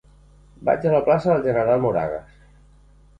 Vaig a la plaça del General Moragues.